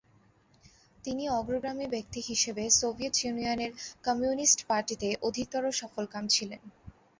তিনি অগ্রগামী ব্যক্তি হিসেবে সোভিয়েট ইউনিয়নের কমিউনিস্ট পার্টিতেই অধিকতর সফলকাম ছিলেন।